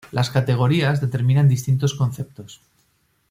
Las categorías determinan distintos conceptos.